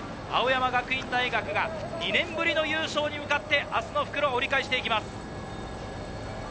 青山学院大学が２年ぶりの優勝に向かって明日の復路を折り返していきます。